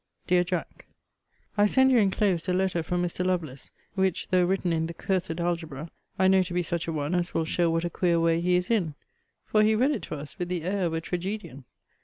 DEAR JACK, I send you enclosed a letter from Mr. Lovelace; which, though written in the cursed Algebra, I know to be such a one as will show what a queer way he is in; for he read it to us with the air of a tragedian.